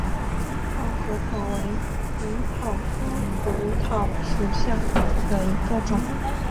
泡核桃为胡桃科胡桃属下的一个种。